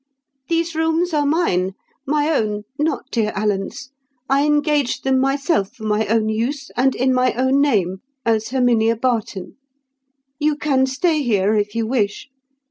"These rooms are mine—my own, not dear Alan's. I engaged them myself, for my own use, and in my own name, as Herminia Barton. You can stay here if you wish.